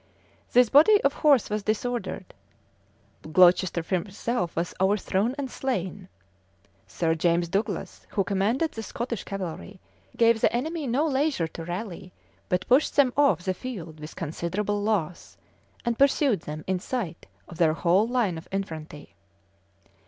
[] This body of horse was disordered; Glocester himself was overthrown and slain: Sir James Douglas, who commanded the Scottish cavalry, gave the enemy no leisure to rally, but pushed them off the field with considerable loss, and pursued them in sight of their whole line of infantry.